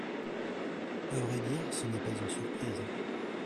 À vrai dire, ce n’est pas une surprise.